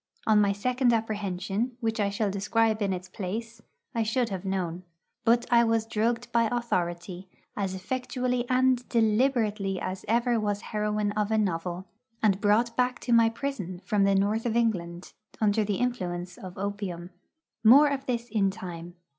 On my second apprehension, which I shall describe in its place, I should have known. But I was drugged by authority, as effectually and deliberately as ever was heroine of a novel, and brought back to my prison from the North of England under the influence of opium. More of this in time.